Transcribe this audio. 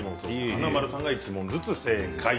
華丸さん１問ずつ正解。